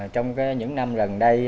trong những năm lần đây